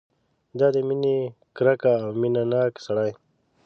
دا د مینې ګرګه او مینه ناک سړی.